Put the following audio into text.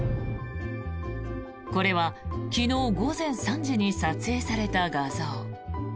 これは昨日午前３時に撮影された画像。